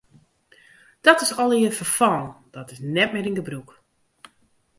Dat is allegear ferfallen, dat is net mear yn gebrûk.